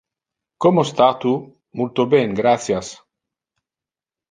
Como sta tu? Multo ben, gratias.